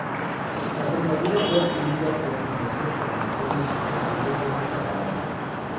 La compañía fue adquirida por inversores franceses y posteriormente catalanes.